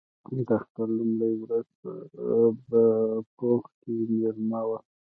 د اختر لومړۍ ورځ په پېوه کې مېله وه.